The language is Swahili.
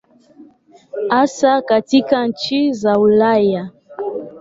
Hasa katika nchi za Ulaya.